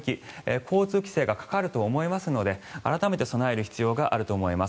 交通規制がかかると思いますので改めて備える必要があると思います。